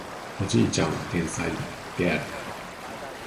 おじいちゃんは天才である